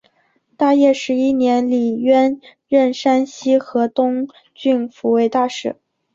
大业十一年李渊任山西河东郡慰抚大使。